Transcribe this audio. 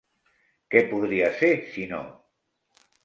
Què podria ser si no?